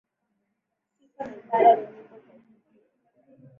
Sifa na ibada ni nyimbo za utukufu.